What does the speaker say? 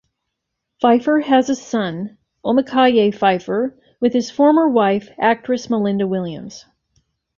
Phifer has a son, Omikaye Phifer, with his former wife, actress Malinda Williams.